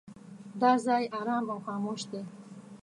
دا ځای ارام او خاموش دی.